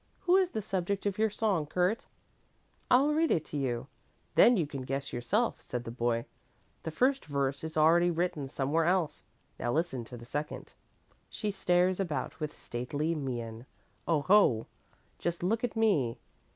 Who is the subject of your song, Kurt?" "I'll read it to you, then you can guess yourself," said the boy. "The first verse is already written somewhere else. Now listen to the second." She stares about with stately mien: "O ho, just look at me!